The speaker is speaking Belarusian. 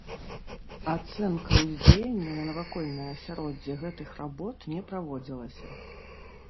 Ацэнка ўздзеяння на навакольнае асяроддзе гэтых работ не праводзілася.